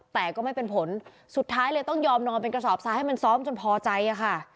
แต่ก็ไม่เป็นผลสุดท้ายเลยต้องยอมนอนเป็นกระสอบซ้ายให้มันซ้อมจนพอใจอะค่ะ